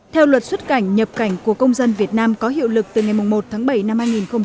theo luật xuất cảnh nhập cảnh của công dân việt nam có hiệu lực từ ngày một tháng bảy năm hai nghìn hai mươi